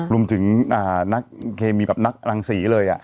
รวมถึงนักเคมีแบบนักรังศรีเลย